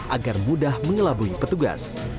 agar mudah mengelabui petugas